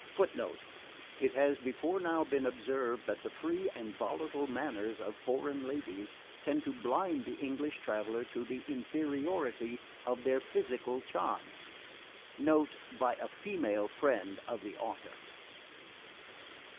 (Footnote: It has before now been observed that the FREE and VOLATILE manners of foreign ladies tend to blind the English traveller to the inferiority of their PHYSICAL charms. Note by a Female Friend of the Author.)